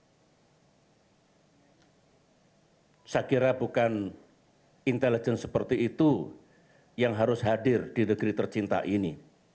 saya kira bukan intelijen seperti itu yang harus hadir di negeri tercinta ini